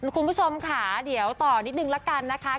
คุณผู้ชมค่ะเดี๋ยวต่อนิดนึงละกันนะคะ